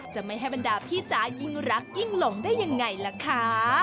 จะไม่ให้บรรดาพี่จ๋ายิ่งรักยิ่งหลงได้ยังไงล่ะคะ